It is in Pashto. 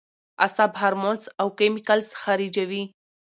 اعصاب هارمونز او کېميکلز خارجوي